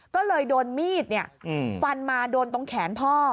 ก็เลยโดนมีดฟันมาโดนตรงแขนพ่อ